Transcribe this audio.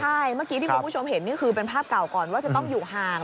ใช่เมื่อกี้ที่คุณผู้ชมเห็นนี่คือเป็นภาพเก่าก่อนว่าจะต้องอยู่ห่าง